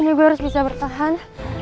aku harus bisa bertahan